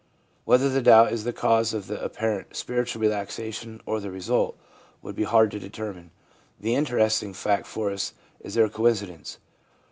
Whether the doubt is the cause of the apparent spiritual relaxation or the result, would be hard to determine ;— the interesting fact for us is their coincidence.